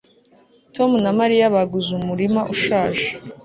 Tom na Mariya baguze umurima ushaje